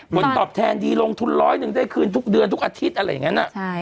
ผลตอบแทนดีลงทุนร้อยหนึ่งได้คืนทุกเดือนทุกอาทิตย์อะไรอย่างนั้น